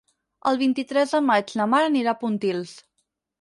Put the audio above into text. El vint-i-tres de maig na Mar anirà a Pontils.